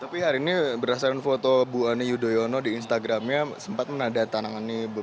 tapi hari ini berdasarkan foto bu ani yudhoyono di instagramnya sempat menandatangani